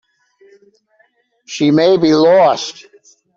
She may be lost.